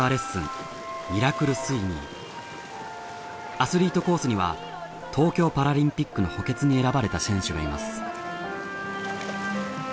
アスリートコースには東京パラリンピックの補欠に選ばれた選手がいます。